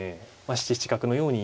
７七角のように。